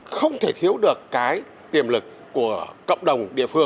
không thể thiếu được cái tiềm lực của cộng đồng